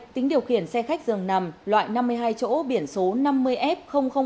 tính điều khiển xe khách dường nằm loại năm mươi hai chỗ biển số năm mươi f bốn trăm tám mươi ba